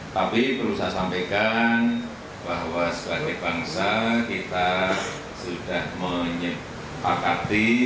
tapi perlu saya sampaikan bahwa sebagai bangsa kita sudah menyepakati